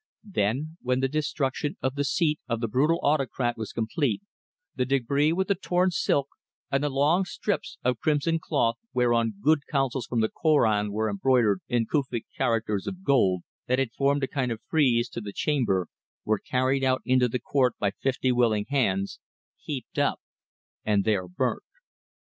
Then, when the destruction of the seat of the brutal autocrat was complete, the débris with the torn silk, and the long strips of crimson cloth, whereon good counsels from the Korân were embroidered in Kufic characters of gold, that had formed a kind of frieze to the chamber, were carried out into the court by fifty willing hands, heaped up and there burnt.